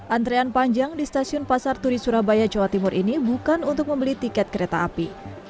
antrean panjang di stasiun pasar turi surabaya jawa timur ini bukan untuk membeli tiket kereta api